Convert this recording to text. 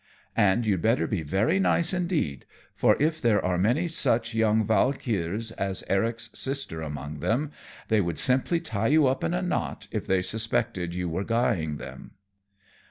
And you'd better be very nice indeed, for if there are many such young valkyrs as Eric's sister among them, they would simply tie you up in a knot if they suspected you were guying them."